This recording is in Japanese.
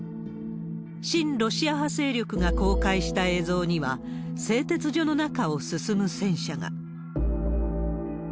親ロシア派勢力が公開した映像には、製鉄所の中を進む戦車が。